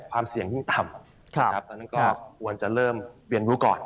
ความเสี่ยงยิ่งต่ำตอนนั้นก็ควรจะเริ่มเรียนรู้ก่อน